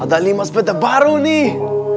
ada lima sepeda baru nih